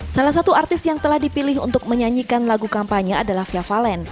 salah satu artis yang telah dipilih untuk menyanyikan lagu kampanye adalah fia valen